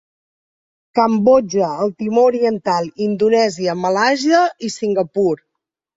Cambodja, el Timor Oriental, Indonèsia, Malàisia i Singapur.